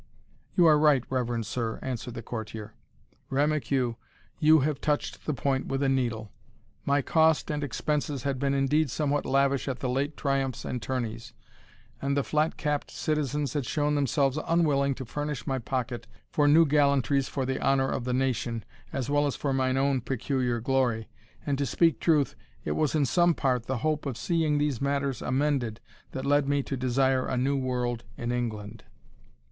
"You are right, reverend sir," answered the courtier; "rem acu you have touched the point with a needle My cost and expenses had been indeed somewhat lavish at the late triumphs and tourneys, and the flat capp'd citizens had shown themselves unwilling to furnish my pocket for new gallantries for the honour of the nation, as well as for mine own peculiar glory and, to speak truth, it was in some part the hope of seeing these matters amended that led me to desire a new world in England."